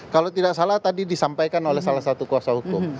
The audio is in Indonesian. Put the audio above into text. kalau tidak salah tadi disampaikan oleh salah satu kuasa hukum